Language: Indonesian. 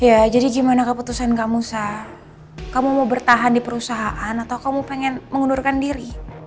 ya jadi gimana keputusan kamu sah kamu mau bertahan di perusahaan atau kamu pengen mengundurkan diri